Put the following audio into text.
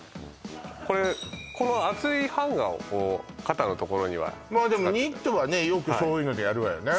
これこの厚いハンガーをこう肩のところにはまあでもニットはねよくそういうのでやるわよね